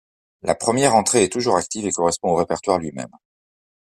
La première entrée est toujours active, et correspond au répertoire lui-même.